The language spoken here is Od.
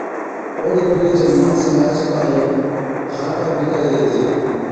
اوڏ قبِيلي چي ماڻسين آج ڪاله هارپا بِي ڪري هِتين